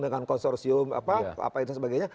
dengan konsorsium apa itu sebagainya